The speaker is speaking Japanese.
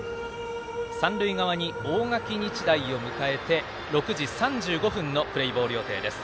三塁側に大垣日大を迎えて６時３５分のプレーボール予定です。